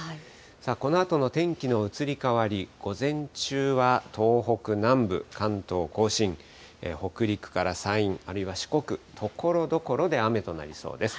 さあ、このあとの天気の移り変わり、午前中は東北南部、関東甲信、北陸から山陰、あるいは四国、ところどころで雨となりそうです。